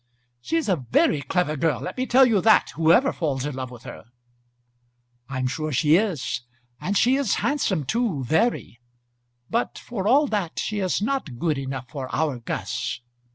"She's a very clever girl; let me tell you that, whoever falls in love with her." "I'm sure she is, and she is handsome too, very; but for all that she is not good enough for our Gus."